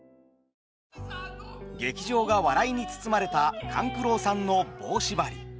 劇場が笑いに包まれた勘九郎さんの「棒しばり」。